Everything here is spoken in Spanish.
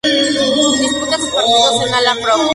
Disputa sus partidos en el "Hala prof.